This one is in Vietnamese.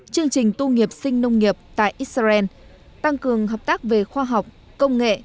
chương trình tu nghiệp sinh nông nghiệp tại israel tăng cường hợp tác về khoa học công nghệ